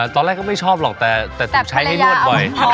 ตอนแรกก็ไม่ชอบหรอกแต่ถูกใช้ให้นวดบ่อย